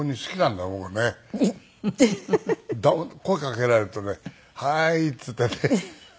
声かけられるとね「はい」って言ってね